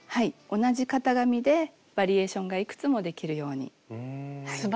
同じ型紙でバリエーションがいくつもできるように考えました。